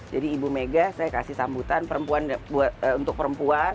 jadi ibu mega saya kasih sambutan perempuan buat untuk perempuan